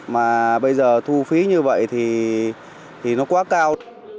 mà bây giờ thu phí như vậy thì nó quá cao